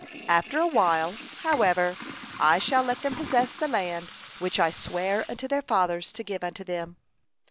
After a while, however, I shall let them 'possess the land, which I sware unto their fathers to give unto them.'"